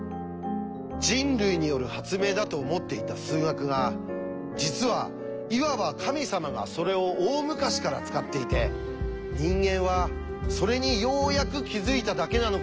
人類による発明だと思っていた数学が実はいわば神様がそれを大昔から使っていて人間はそれにようやく気付いただけなのかもしれない。